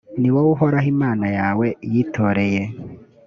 ni wowe uhoraho imana yawe yitoreye